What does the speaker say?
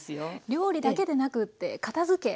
料理だけでなくって片づけ